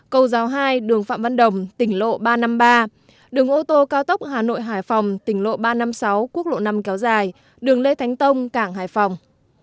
cầu giáo hai đường phạm văn đồng tỉnh lộ ba trăm năm mươi ba đường ô tô cao tốc hà nội hải phòng tỉnh lộ ba trăm năm mươi sáu quốc lộ năm kéo dài đường lê thánh tông cảng hải phòng